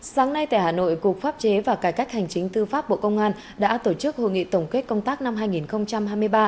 sáng nay tại hà nội cục pháp chế và cải cách hành chính tư pháp bộ công an đã tổ chức hội nghị tổng kết công tác năm hai nghìn hai mươi ba